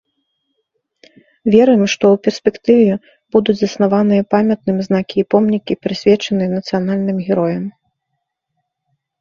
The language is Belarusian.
Верым, што ў перспектыве будуць заснаваныя памятным знакі і помнікі, прысвечаныя нацыянальным героям.